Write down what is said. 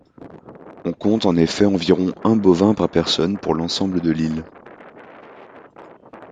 On compte en effet environ un bovin par personne pour l’ensemble de l’île.